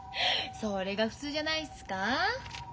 それが普通じゃないっすかあ？